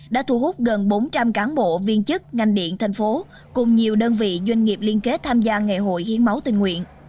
đã thu hút gần bốn trăm linh cán bộ viên chức ngành điện thành phố cùng nhiều đơn vị doanh nghiệp liên kết tham gia ngày hội hiến máu tình nguyện